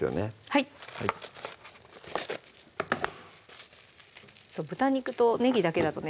はい豚肉とねぎだけだとね